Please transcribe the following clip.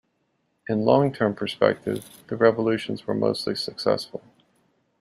In long-term perspective, the revolutions were mostly successful.